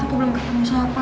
saya belum ketemu siapa